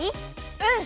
うん！